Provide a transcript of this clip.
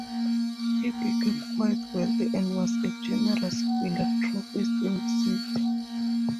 He became quite wealthy and was a generous philanthropist in the city.